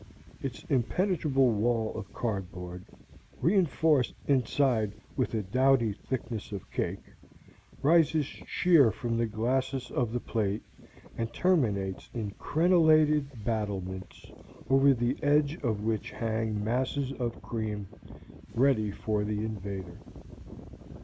Its impenetrable wall of cardboard, re enforced inside with a doughty thickness of cake, rises sheer from the glacis of the plate and terminates in crenelated battlements over the edge of which hang masses of cream, ready for the invader.